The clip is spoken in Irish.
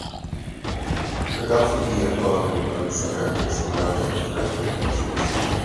Go gcaithfí í a shlánú agus a neartú sa nGaeltacht ar an gcéad dul síos.